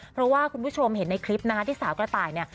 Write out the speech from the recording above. เพราะว่าคุณผู้ชมเห็นในคลิปนะคะที่สาวกระต่ายเนี่ย